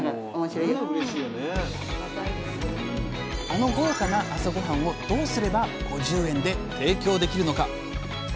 あの豪華な朝ごはんをどうすれば５０円で提供できるのか。